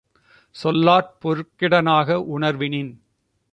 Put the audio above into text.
சொல்லாற் பொருட்கிட னாக வுணர்வினின்